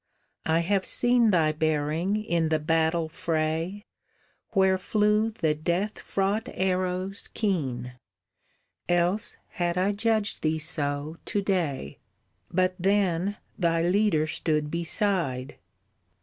I have seen Thy bearing in the battle fray Where flew the death fraught arrows keen, Else had I judged thee so to day. "But then thy leader stood beside!